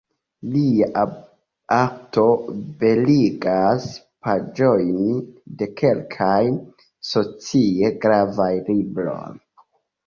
Lia arto beligas paĝojn de kelkaj socie gravaj libroj.